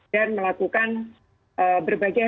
dan melakukan berbagai